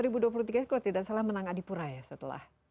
kalau tidak salah menang adipura ya setelah